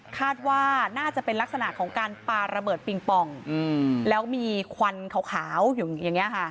คาดว่าน่าจะเป็นลักษณะของการปาระเบิดปิงปองแล้วมีควันขาวอยู่อย่างนี้ค่ะ